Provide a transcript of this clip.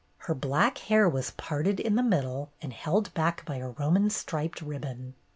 Her black hair was parted in the middle and held back by a Roman striped ribbon.